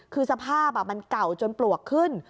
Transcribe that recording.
คือสภาพมันเก่าจนปลวกขึ้น